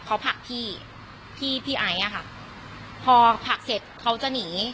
เขาผลักพี่พี่ไอซ์อะค่ะพอผลักเสร็จเขาจะหนี